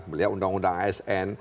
melihat undang undang asn